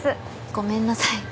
ごめんなさい。